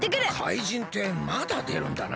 かいじんってまだでるんだな。